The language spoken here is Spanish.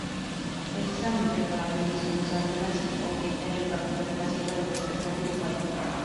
Precisamente por aquellos años Atenas y Sporting era el partido clásico del básquetbol uruguayo.